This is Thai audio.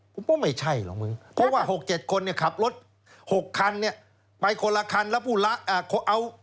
ผมว่าไม่ใช่หรอกมึงเพราะว่า๖๗คนเนี่ยขับรถ๖คันเนี่ยไปคนละคันแล้วผู้ละเอา